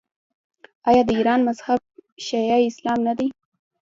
آیا د ایران مذهب شیعه اسلام نه دی؟